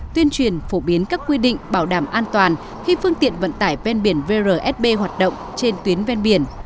tuyên truyền phổ biến các quy định bảo đảm an toàn khi phương tiện vận tải ven biển vrsb hoạt động trên tuyến ven biển